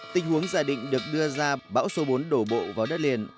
tình huống giả định được đưa ra bão số bốn đổ bộ vào đất liền